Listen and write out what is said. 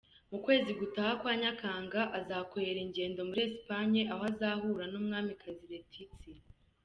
Mu kwezi gutaha kwa Nyakanga, azakorera ingendo muri Espagne aho azahura n’umwamikazi Letizia.